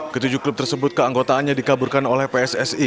ketujuh klub tersebut keanggotaannya dikaburkan oleh pssi